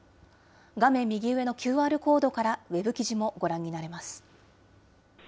画面右上のＱＲコードからウェブ記事もご覧になれます。